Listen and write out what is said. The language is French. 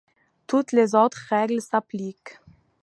Toutes les autres règles s’appliquent.